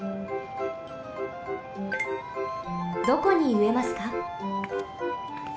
どこにうえますか？